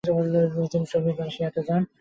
তিনি সোভিয়েত রাশিয়াতে যান।